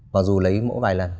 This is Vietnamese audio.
mặc dù lấy mẫu vài lần